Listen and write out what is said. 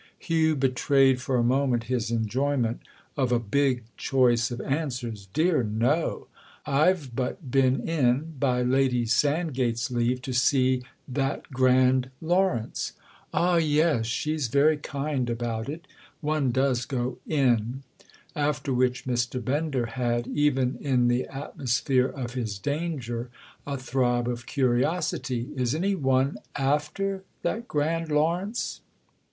Hugh betrayed for a moment his enjoyment of a "big" choice of answers. "Dear, no! I've but been in, by Lady Sandgate's leave, to see that grand Lawrence." "Ah yes, she's very kind about it—one does go 'in.'" After which Mr. Bender had, even in the atmosphere of his danger, a throb of curiosity. "Is any one after that grand Lawrence?"